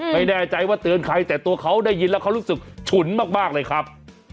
ไม่แน่ใจว่าเตือนใครแต่ตัวเขาได้ยินแล้วเขารู้สึกฉุนมากเลยครับ